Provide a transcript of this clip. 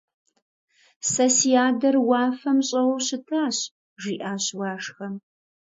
Сэ си адэр уафэм щӀэуэу щытащ, - жиӀащ Уашхэм.